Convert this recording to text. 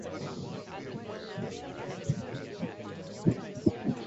She was interred in Holy Cross Cemetery, next to her husband.